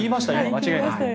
間違いなく。